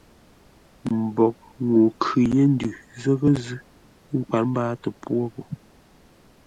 Mbwoghʼ ŋuu khʉ yé ndʉ zə́ghʼə́-zʉ́, ə́ nkwát mbáatə pwô po.